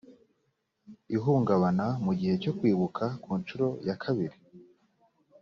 ihungabana mu gihe cyo kwibuka ku nshuro ya kabiri